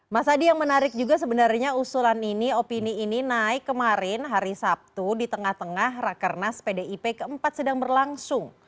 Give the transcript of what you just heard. mas adi yang menarik juga sebenarnya usulan ini opini ini naik kemarin hari sabtu di tengah tengah rakernas pdip keempat sedang berlangsung